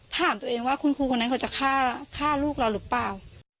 ถามตัวเองว่าคุณครูคนนั้นเขาจะฆ่าลูกเราหรือเปล่า